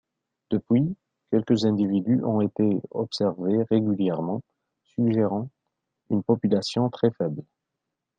Depuis, quelques individus ont été observés régulièrement suggérant une population très faible.